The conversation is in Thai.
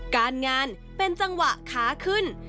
การงานเป็นจังหวะขาขึ้น